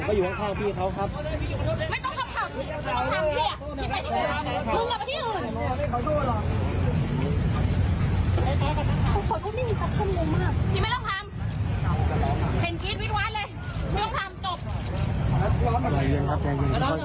ใจเย็นครับใจเย็น